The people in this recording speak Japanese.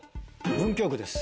文京区です。